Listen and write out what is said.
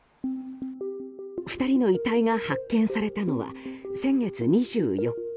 ２人の遺体が発見されたのは先月２４日。